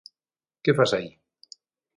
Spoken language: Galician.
Que fas aí?